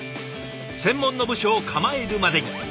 専門の部署を構えるまでに。